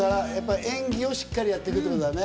演技をしっかりやっていくってことだね。